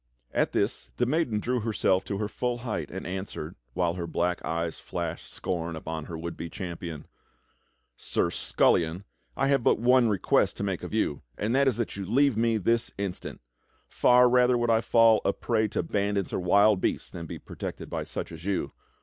At this the maiden drew herself to her full height and answered, while her black eyes flashed scorn upon her would be champion: "Sir Scullion, I have but one request to make of you, and that is that you leave me this instant. Far rather would I fall a prey to bandits or wild beasts than be protected by such as you.